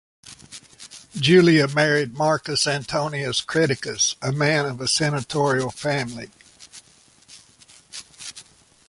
Julia married Marcus Antonius Creticus, a man of a senatorial family.